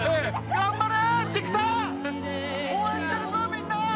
頑張れ！